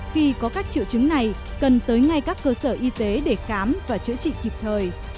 khi có các triệu chứng này cần tới ngay các cơ sở y tế để khám và chữa trị kịp thời